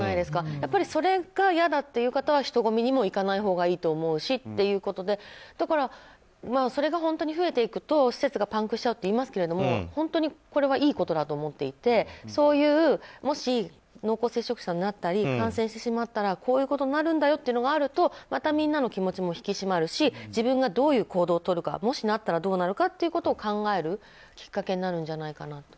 やっぱり、それが嫌だという方は人混みにも行かないほうがいいしっていうので本当に増えていくと、施設がパンクしちゃうっていいますけど本当にこれはいいことだと思っていてそういうもし濃厚接触者になったり感染してしまったらこういうことになるんだよというのがあるとまた、みんなの気持ちも引き締まるし自分がどういう行動をとるかもし、なったらどうするかっていうのを考えるきっかけになるんじゃないかなと。